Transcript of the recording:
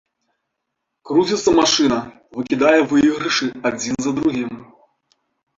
Круціцца машына, выкідае выйгрышы адзін за другім.